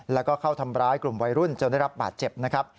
แล้วก็เข้าทำร้ายกลุ่มวัยรุ่นจนได้รับบาดเจ็บนะครับ